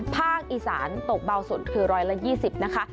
ภาคอีสานตกเบาสุดคือ๑๒๐นะคะ